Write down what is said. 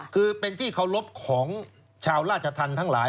คือเป็นที่เคารพของชาวราชธรรมทั้งหลาย